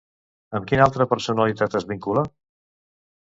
Amb quina altra personalitat es vincula?